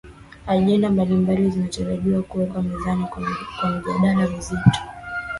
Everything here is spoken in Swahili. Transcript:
agenda mbalimbali zinatarajiwa kuwekwa mezani kwa mjadala mzito